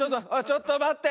ちょっとまって。